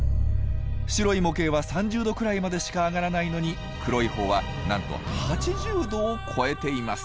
白い模型は３０℃くらいまでしか上がらないのに黒い方はなんと８０℃を超えています。